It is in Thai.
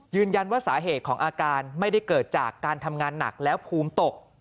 สาเหตุของอาการไม่ได้เกิดจากการทำงานหนักแล้วภูมิตก